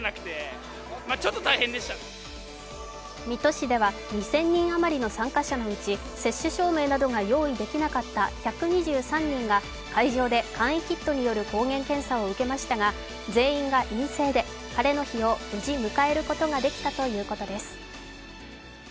水戸市では２０００人余りの参加者のうち接種証明などが用意できなかった１２３人が会場で簡易キットによる抗原検査を受けましたが全員が陰性で晴れの日を無事迎えることができたということです。